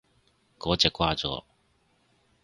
嗰隻掛咗